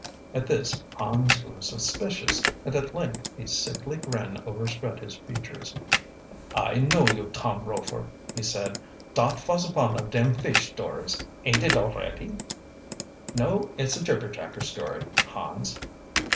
At this Hans grew suspicious, and at length a sickly grin overspread his features. "I know you, Tom Rofer," he said. "Dot vos von of dem fish stories, ain't it alretty?" "No, it's a jibberjacker story, Hans."